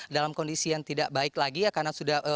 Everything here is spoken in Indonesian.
dalam kondisi yang tidak baik lagi ya karena sudah